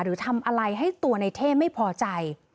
หรือทำอะไรให้ตัวในเท่ไม่พอใจ